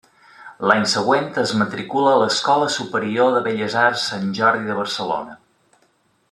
L’any següent es matricula a l’Escola Superior de Belles Arts Sant Jordi de Barcelona.